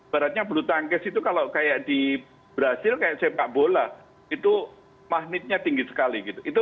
berarti bulu tangges itu kalau di brazil kayak sepak bola itu magnetnya tinggi sekali